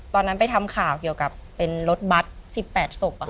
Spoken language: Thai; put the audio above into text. ตอนนั้นไปทำข่าวเกี่ยวกับเป็นรถบัตร๑๘ศพ